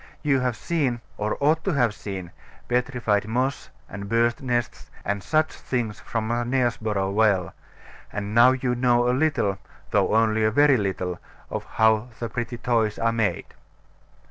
You have seen, or ought to have seen, petrified moss and birds' nests and such things from Knaresborough Well: and now you know a little, though only a very little, of how the pretty toys are made.